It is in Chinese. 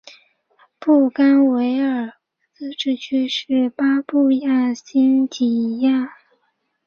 布干维尔自治区是巴布亚新几内亚唯一的自治区。